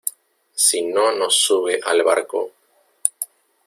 si no nos sube al barco...